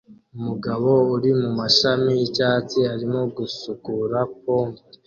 Umugabo uri mumashini yicyatsi arimo gusukura pompe